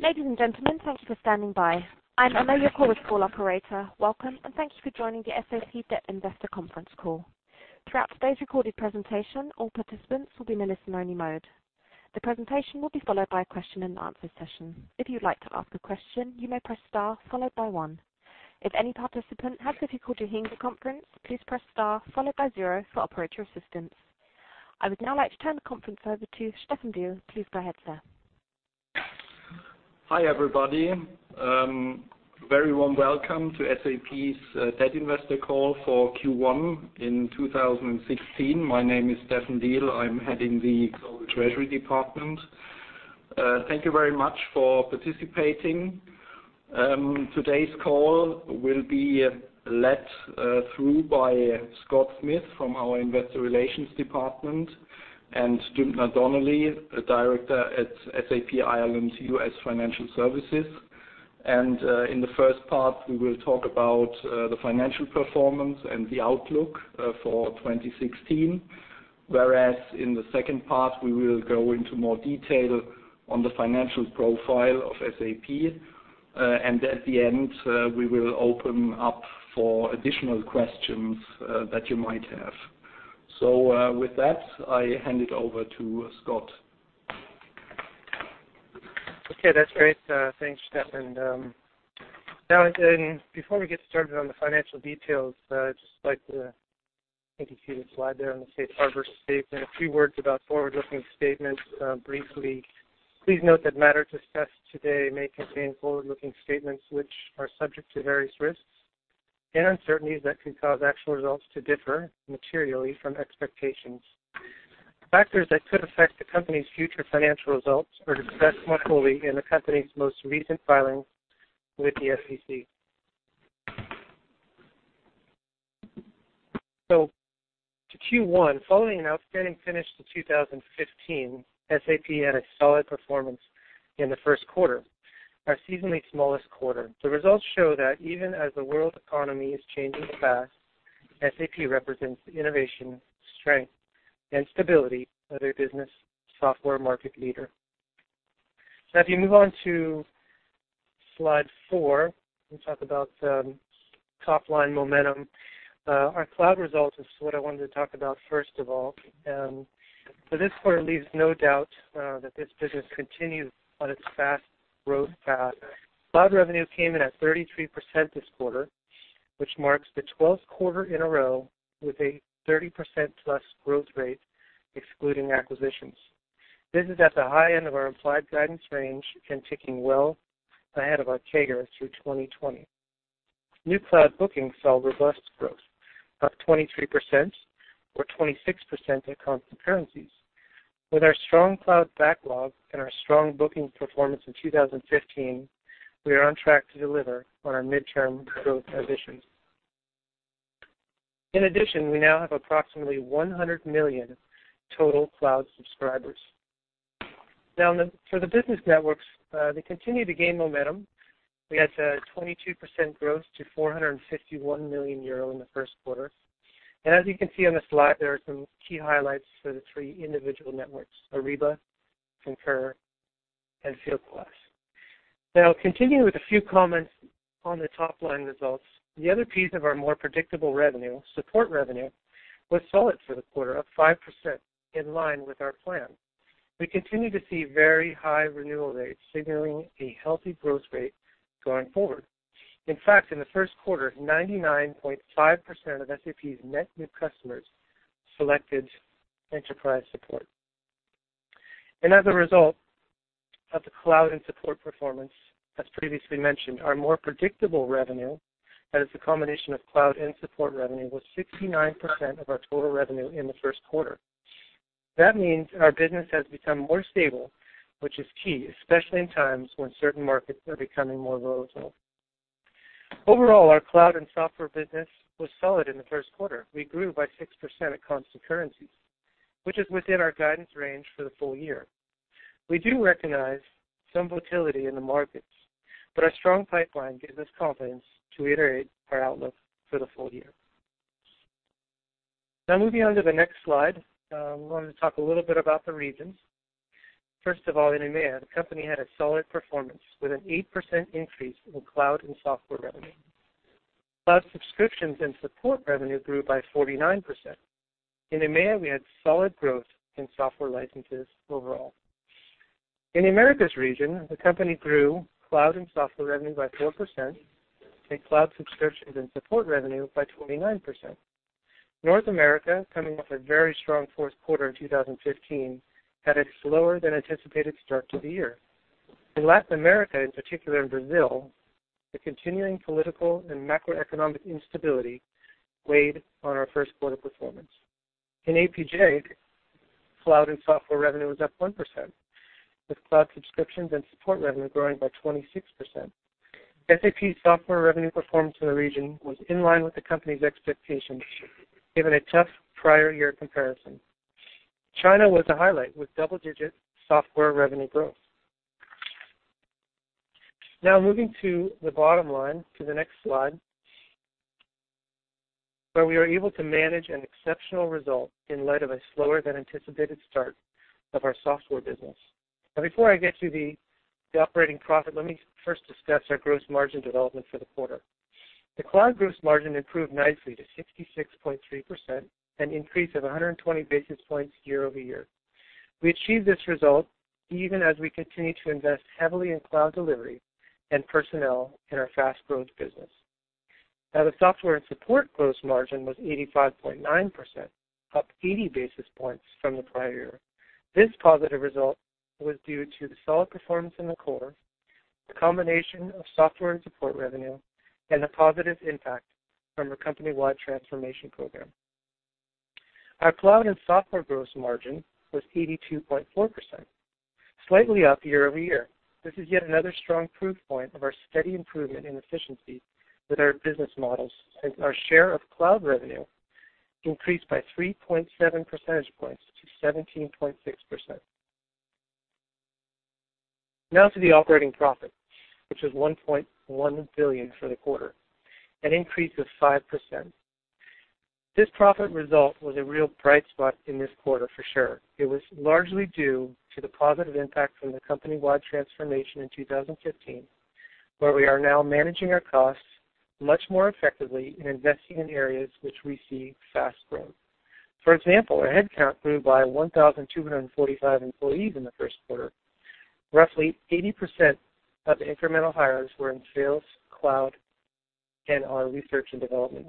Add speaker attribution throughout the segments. Speaker 1: Ladies and gentlemen, thank you for standing by. I'm Anna, your call operator. Welcome, and thank you for joining the SAP Debt Investor Conference Call. Throughout today's recorded presentation, all participants will be in listen-only mode. The presentation will be followed by a question and answer session. If you'd like to ask a question, you may press star followed by one. If any participant has difficulty hearing the conference, please press star followed by zero for operator assistance. I would now like to turn the conference over to Steffen Diel. Please go ahead, sir.
Speaker 2: Hi, everybody. Very warm welcome to SAP's Debt Investor Call for Q1 2016. My name is Steffen Diel. I'm heading the Global Treasury Department. Thank you very much for participating. Today's call will be led through by Scott Smith from our Investor Relations department and Jim Donnelly, a Director at SAP ILM U.S. Financial Services. In the first part, we will talk about the financial performance and the outlook for 2016. Whereas in the second part, we will go into more detail on the financial profile of SAP. At the end, we will open up for additional questions that you might have. With that, I hand it over to Scott.
Speaker 3: That's great. Thanks, Steffen. Before we get started on the financial details, I'd just like to I think you see the slide there on the safe harbor statement. A few words about forward-looking statements. Briefly, please note that matters discussed today may contain forward-looking statements which are subject to various risks and uncertainties that could cause actual results to differ materially from expectations. Factors that could affect the company's future financial results are discussed more fully in the company's most recent filing with the SEC. To Q1, following an outstanding finish to 2015, SAP had a solid performance in the first quarter, our seasonally smallest quarter. The results show that even as the world economy is changing fast, SAP represents the innovation, strength, and stability of a business software market leader. If you move on to slide four, we talk about top-line momentum. Our cloud results is what I wanted to talk about first of all. This quarter leaves no doubt that this business continues on its fast growth path. Cloud revenue came in at 33% this quarter, which marks the 12th quarter in a row with a 30%-plus growth rate excluding acquisitions. This is at the high end of our implied guidance range and ticking well ahead of our CAGR through 2020. New cloud bookings saw robust growth, up 23% or 26% at constant currencies. With our strong cloud backlog and our strong bookings performance in 2015, we are on track to deliver on our midterm growth ambitions. In addition, we now have approximately 100 million total cloud subscribers. For the business networks, they continue to gain momentum. We had a 22% growth to 451 million euro in the first quarter. As you can see on the slide, there are some key highlights for the three individual networks, Ariba, Concur, and Fieldglass. Continuing with a few comments on the top-line results. The other piece of our more predictable revenue, support revenue, was solid for the quarter, up 5% in line with our plan. We continue to see very high renewal rates, signaling a healthy growth rate going forward. In fact, in the first quarter, 99.5% of SAP's net new customers selected SAP Enterprise Support. As a result of the cloud and support performance, as previously mentioned, our more predictable revenue as a combination of cloud and support revenue was 69% of our total revenue in the first quarter. That means our business has become more stable, which is key, especially in times when certain markets are becoming more volatile. Overall, our cloud and software business was solid in the first quarter. We grew by 6% at constant currencies, which is within our guidance range for the full year. We do recognize some volatility in the markets, but our strong pipeline gives us confidence to iterate our outlook for the full year. Moving on to the next slide. We wanted to talk a little bit about the regions. First of all, in EMEA, the company had a solid performance with an 8% increase in cloud and software revenue. Cloud subscriptions and support revenue grew by 49%. In EMEA, we had solid growth in software licenses overall. In the Americas region, the company grew cloud and software revenue by 4% and cloud subscriptions and support revenue by 29%. North America, coming off a very strong fourth quarter in 2015, had a slower than anticipated start to the year. In Latin America, in particular in Brazil, the continuing political and macroeconomic instability weighed on our first-quarter performance. In APJ, cloud and software revenue was up 1%, with cloud subscriptions and support revenue growing by 26%. SAP software revenue performance in the region was in line with the company's expectations, given a tough prior year comparison. China was a highlight with double-digit software revenue growth. Moving to the bottom line, to the next slide. Where we are able to manage an exceptional result in light of a slower than anticipated start of our software business. Before I get to the operating profit, let me first discuss our gross margin development for the quarter. The cloud gross margin improved nicely to 66.3%, an increase of 120 basis points year-over-year. We achieved this result even as we continue to invest heavily in cloud delivery and personnel in our fast growth business. The software and support gross margin was 85.9%, up 80 basis points from the prior year. This positive result was due to the solid performance in the core, the combination of software and support revenue, and the positive impact from our company-wide transformation program. Our cloud and software gross margin was 82.4%, slightly up year-over-year. This is yet another strong proof point of our steady improvement in efficiency with our business models, and our share of cloud revenue increased by 3.7 percentage points to 17.6%. To the operating profit, which was 1.1 billion for the quarter, an increase of 5%. This profit result was a real bright spot in this quarter for sure. It was largely due to the positive impact from the company-wide transformation in 2015, where we are now managing our costs much more effectively and investing in areas which we see fast growth. For example, our headcount grew by 1,245 employees in the first quarter. Roughly 80% of the incremental hires were in sales, cloud, and our research and development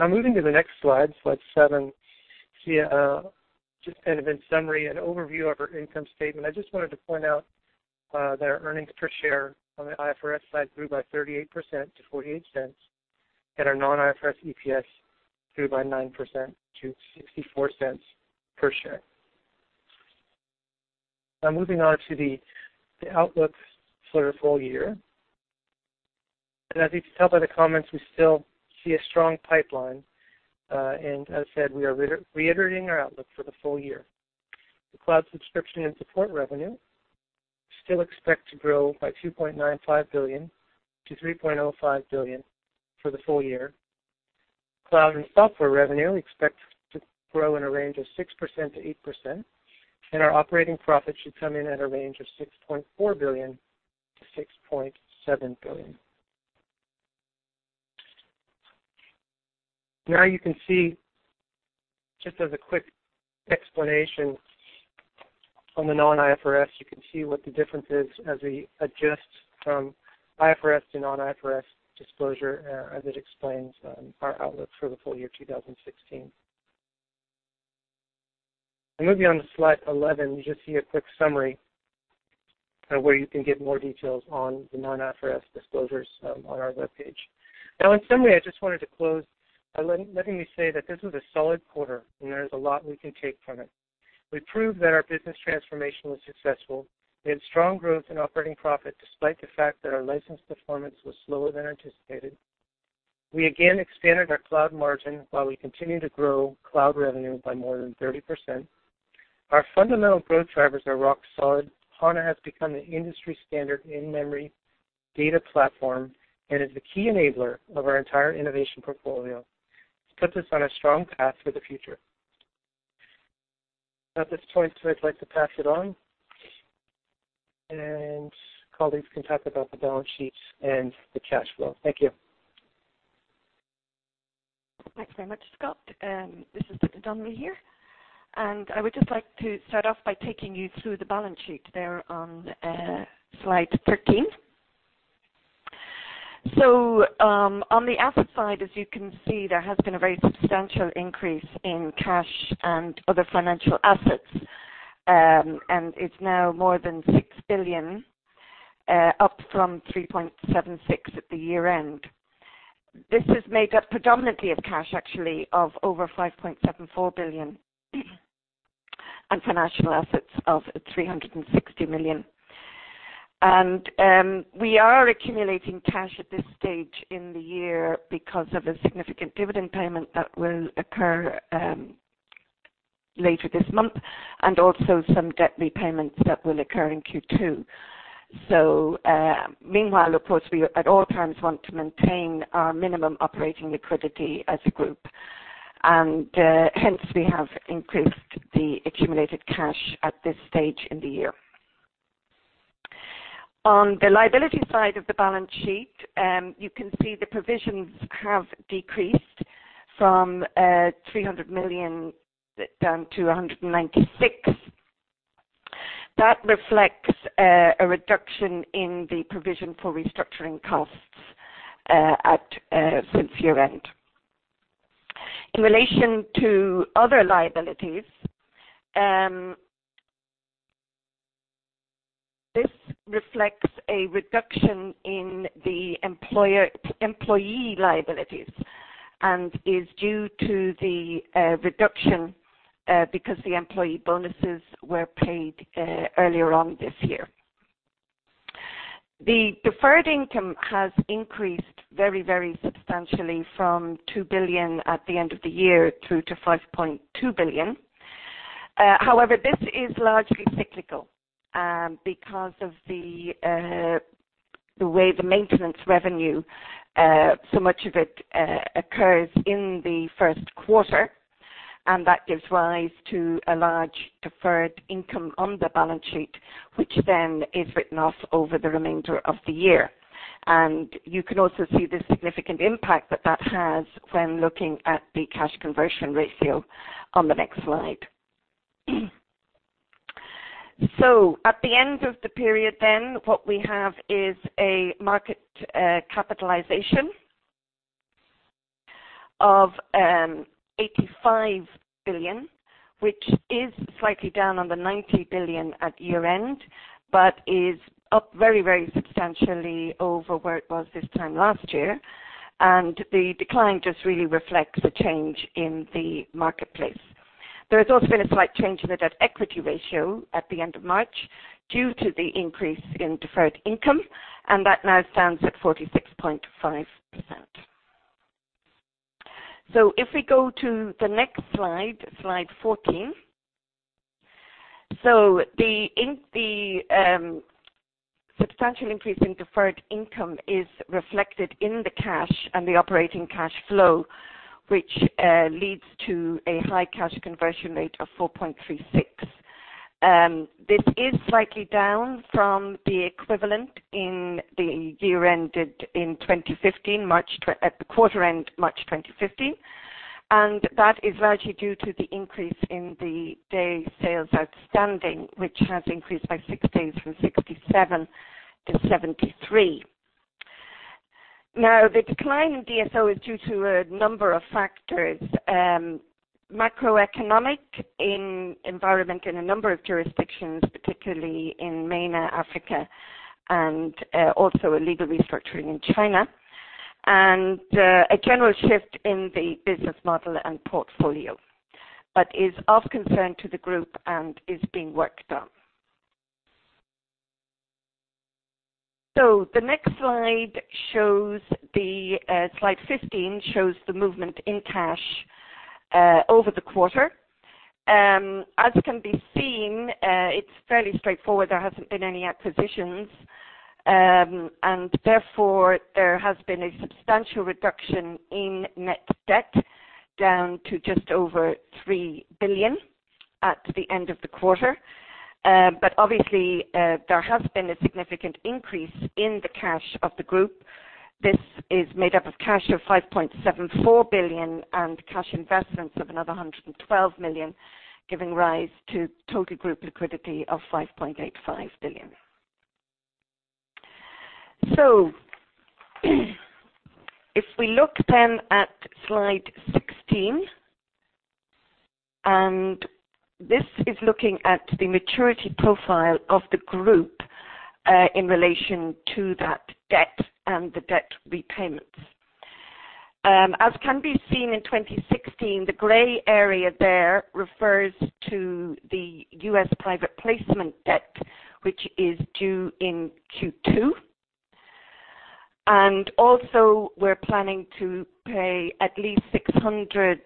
Speaker 3: organization. Moving to the next slide seven, just kind of in summary, an overview of our income statement. I just wanted to point out that our earnings per share on the IFRS side grew by 38% to 0.48, and our non-IFRS EPS grew by 9% to 0.64 per share. Moving on to the outlook for the full year. As you can tell by the comments, we still see a strong pipeline. As I said, we are reiterating our outlook for the full year. The cloud subscription and support revenue, we still expect to grow by 2.95 billion-3.05 billion for the full year. Cloud and software revenue we expect to grow in a range of 6%-8%, and our operating profit should come in at a range of 6.4 billion-6.7 billion. You can see, just as a quick explanation on the non-IFRS, you can see what the difference is as we adjust from IFRS to non-IFRS disclosure as it explains our outlook for the full year 2016. Moving on to slide 11, you just see a quick summary of where you can get more details on the non-IFRS disclosures on our webpage. In summary, I just wanted to close by letting you say that this was a solid quarter, and there is a lot we can take from it. We proved that our business transformation was successful. We had strong growth in operating profit despite the fact that our license performance was slower than anticipated. We again expanded our cloud margin while we continue to grow cloud revenue by more than 30%. Our fundamental growth drivers are rock solid. HANA has become the industry standard in-memory data platform and is the key enabler of our entire innovation portfolio. This puts us on a strong path for the future. At this point, I'd like to pass it on, colleagues can talk about the balance sheets and the cash flow. Thank you.
Speaker 4: Thanks very much, Scott. This is Dympna Donnelly here. I would just like to start off by taking you through the balance sheet there on slide 13. On the asset side, as you can see, there has been a very substantial increase in cash and other financial assets. It's now more than 6 billion, up from 3.76 billion at the year-end. This is made up predominantly of cash, actually, of over 5.74 billion, and financial assets of 360 million. We are accumulating cash at this stage in the year because of a significant dividend payment that will occur later this month and also some debt repayments that will occur in Q2. Meanwhile, of course, we at all times want to maintain our minimum operating liquidity as a group, and hence we have increased the accumulated cash at this stage in the year. On the liability side of the balance sheet, you can see the provisions have decreased from 300 million down to 196 million. That reflects a reduction in the provision for restructuring costs since year-end. In relation to other liabilities, this reflects a reduction in the employee liabilities and is due to the reduction because the employee bonuses were paid earlier on this year. The deferred income has increased very, very substantially from 2 billion at the end of the year through to 5.2 billion. However, this is largely cyclical because of the way the maintenance revenue, so much of it occurs in the first quarter, and that gives rise to a large deferred income on the balance sheet, which then is written off over the remainder of the year. You can also see the significant impact that that has when looking at the cash conversion ratio on the next slide. At the end of the period then, what we have is a market capitalization of 85 billion, which is slightly down on the 90 billion at year-end, but is up very substantially over where it was this time last year. The decline just really reflects a change in the marketplace. There has also been a slight change in the debt-equity ratio at the end of March due to the increase in deferred income, and that now stands at 46.5%. If we go to the next slide 14. The substantial increase in deferred income is reflected in the cash and the operating cash flow, which leads to a high cash conversion ratio of 4.36. This is slightly down from the equivalent in the year ended in 2015, at the quarter end March 2015, and that is largely due to the increase in the days sales outstanding, which has increased by six days from 67 to 73. The decline in DSO is due to a number of factors, macroeconomic environment in a number of jurisdictions, particularly in MENA, Africa, and also a legal restructuring in China, and a general shift in the business model and portfolio, but is of concern to the group and is being worked on. The next slide 15, shows the movement in cash over the quarter. As can be seen, it's fairly straightforward. There hasn't been any acquisitions. Therefore, there has been a substantial reduction in net debt, down to just over 3 billion at the end of the quarter. Obviously, there has been a significant increase in the cash of the group. This is made up of cash of 5.74 billion and cash investments of another 112 million, giving rise to total group liquidity of 5.85 billion. If we look at slide 16, this is looking at the maturity profile of the group, in relation to that debt and the debt repayments. As can be seen in 2016, the gray area there refers to the US private placement debt, which is due in Q2. Also, we're planning to pay at least 600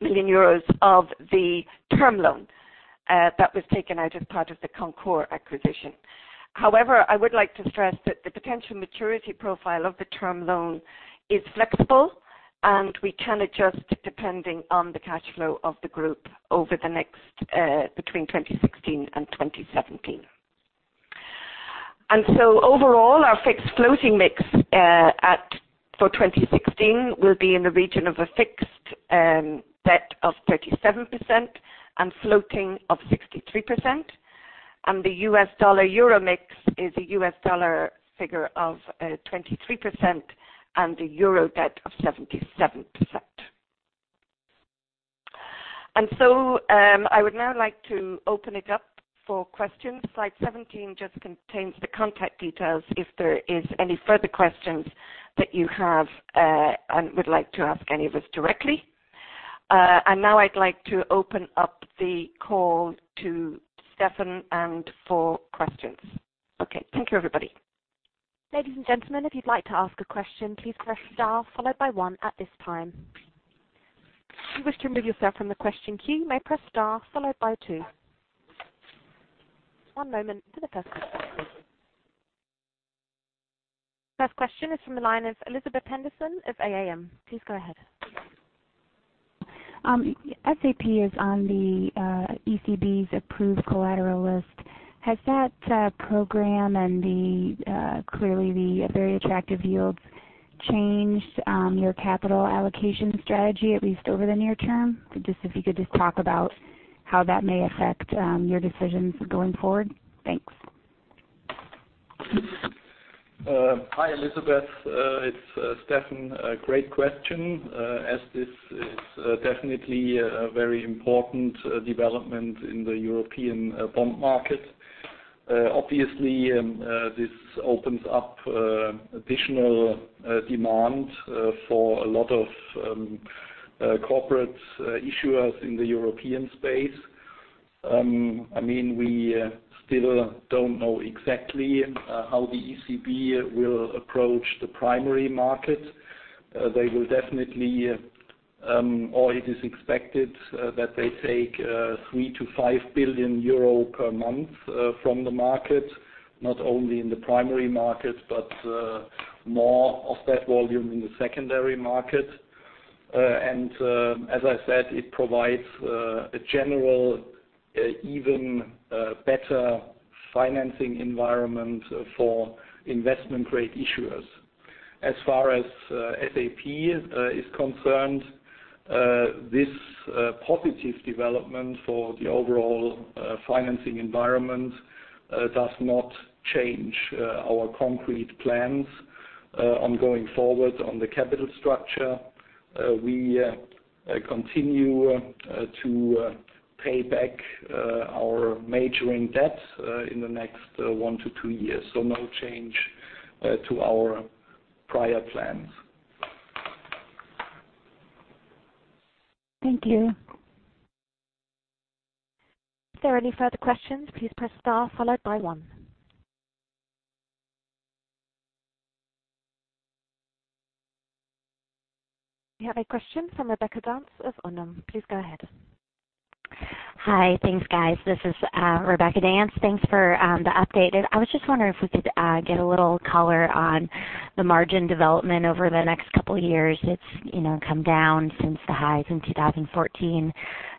Speaker 4: million euros of the term loan that was taken out as part of the Concur acquisition. However, I would like to stress that the potential maturity profile of the term loan is flexible. We can adjust depending on the cash flow of the group over the next, between 2016 and 2017. Overall, our fixed floating mix for 2016 will be in the region of a fixed debt of 37% and floating of 63%. The U.S. dollar euro mix is a U.S. dollar figure of 23% and a euro debt of 77%. I would now like to open it up for questions. Slide 17 just contains the contact details if there is any further questions that you have and would like to ask any of us directly. Now I'd like to open up the call to Steffen and for questions. Okay. Thank you, everybody.
Speaker 1: Ladies and gentlemen, if you'd like to ask a question, please press star followed by one at this time. If you wish to remove yourself from the question queue, you may press star followed by two. One moment for the first question. First question is from the line of Elizabeth Henderson of AAM. Please go ahead.
Speaker 5: SAP is on the ECB's approved collateral list. Has that program and clearly the very attractive yields changed your capital allocation strategy, at least over the near term? If you could just talk about how that may affect your decisions going forward. Thanks.
Speaker 2: Hi, Elizabeth. It's Steffen. Great question, as this is definitely a very important development in the European bond market. Obviously, this opens up additional demand for a lot of corporate issuers in the European space
Speaker 3: We still don't know exactly how the ECB will approach the primary market. It is expected that they take 3 billion-5 billion euro per month from the market, not only in the primary market, but more of that volume in the secondary market. As I said, it provides a general, even better financing environment for investment-grade issuers. As far as SAP is concerned, this positive development for the overall financing environment does not change our concrete plans on going forward on the capital structure. We continue to pay back our maturing debt in the next 1 to 2 years. No change to our prior plans.
Speaker 6: Thank you.
Speaker 1: If there are any further questions, please press star followed by one. We have a question from Rebecca Dance of Unum. Please go ahead.
Speaker 6: Hi. Thanks, guys. This is Rebecca Dance. Thanks for the update. I was just wondering if we could get a little color on the margin development over the next couple of years. It's come down since the highs in 2014.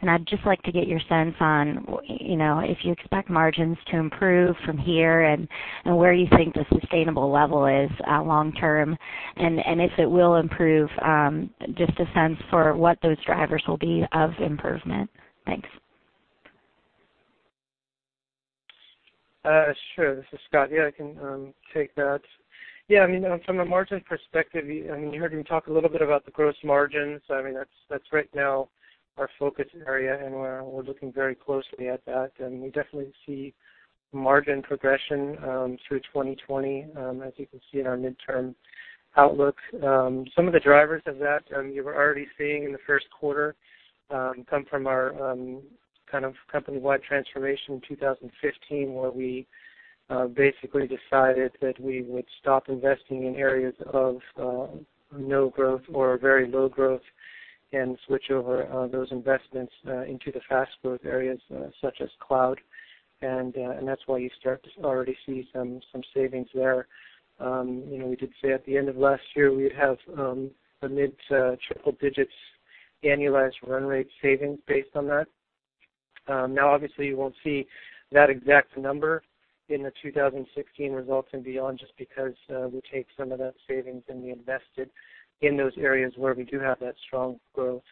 Speaker 6: I'd just like to get your sense on if you expect margins to improve from here, and where you think the sustainable level is long-term. If it will improve, just a sense for what those drivers will be of improvement. Thanks.
Speaker 3: Sure. This is Scott. Yeah, I can take that. From a margin perspective, you heard me talk a little bit about the gross margins. That's right now our focus area, and we're looking very closely at that. We definitely see margin progression through 2020, as you can see in our midterm outlook. Some of the drivers of that you were already seeing in the first quarter come from our company-wide transformation in 2015, where we basically decided that we would stop investing in areas of no growth or very low growth and switch over those investments into the fast growth areas such as cloud. That's why you start to already see some savings there. We did say at the end of last year, we'd have a mid to triple digits annualized run rate savings based on that. Obviously, you won't see that exact number in the 2016 results and beyond just because we take some of that savings and we invest it in those areas where we do have that strong growth.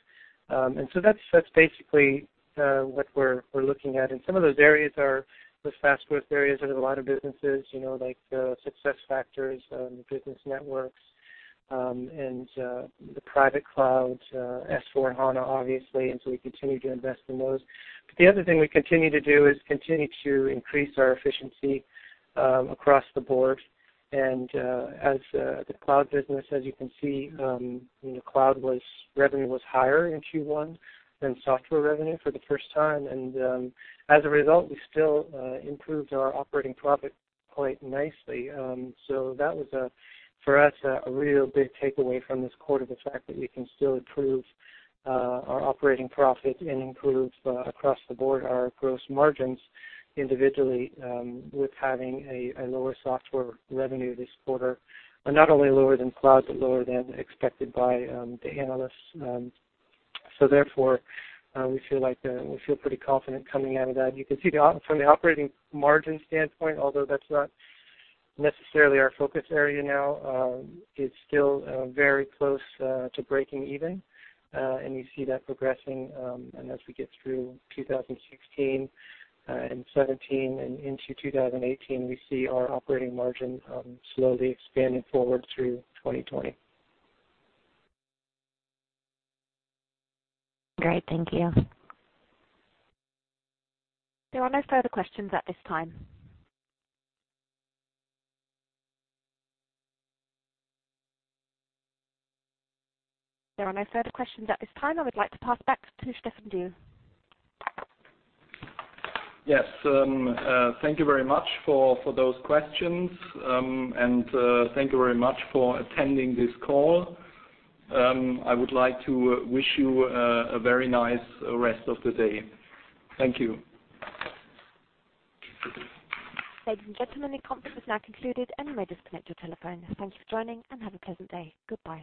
Speaker 3: That's basically what we're looking at. Some of those fast growth areas are in a lot of businesses, like SuccessFactors and Business Networks, and the private cloud, S/4HANA, obviously, we continue to invest in those. The other thing we continue to do is continue to increase our efficiency across the board. As the cloud business, as you can see, cloud revenue was higher in Q1 than software revenue for the first time. As a result, we still improved our operating profit quite nicely. That was, for us, a real big takeaway from this quarter, the fact that we can still improve our operating profit and improve across the board our gross margins individually with having a lower software revenue this quarter. Not only lower than cloud, but lower than expected by the analysts. Therefore, we feel pretty confident coming out of that. You can see from the operating margin standpoint, although that's not necessarily our focus area now, it's still very close to breaking even. You see that progressing. As we get through 2016 and 2017 and into 2018, we see our operating margin slowly expanding forward through 2020.
Speaker 6: Great. Thank you.
Speaker 1: There are no further questions at this time. There are no further questions at this time. I would like to pass back to Christoph and you.
Speaker 2: Yes. Thank you very much for those questions, and thank you very much for attending this call. I would like to wish you a very nice rest of the day. Thank you.
Speaker 1: Ladies and gentlemen, the conference is now concluded, and you may disconnect your telephone. Thank you for joining, and have a pleasant day. Goodbye.